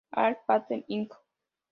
Alphabet Inc.